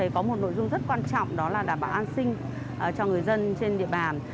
có một nội dung rất quan trọng đó là đảm bảo an sinh cho người dân trên địa bàn